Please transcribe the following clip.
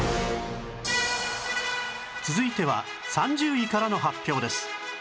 続いては３０位からの発表です